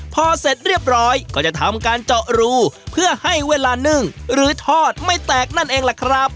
พอเสร็จเรียบร้อยก็จะทำการเจาะรูเพื่อให้เวลานึ่งหรือทอดไม่แตกนั่นเองล่ะครับ